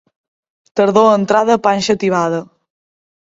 Tardor entrada, panxa tibada.